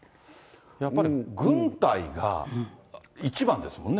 やっぱり軍隊が一番ですものね。